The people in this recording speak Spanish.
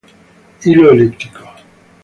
Hilo elíptico.